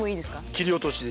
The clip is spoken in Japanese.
切り落としで。